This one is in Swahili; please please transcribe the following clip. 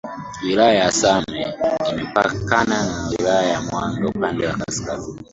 wilaya ya same imepakana na wilaya ya mwanga upande wa kazkazini